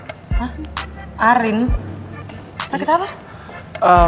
hah arin sakit apa